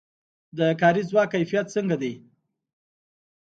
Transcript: د کاري ځواک کیفیت څنګه دی؟